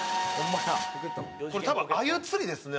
これ多分アユ釣りですね。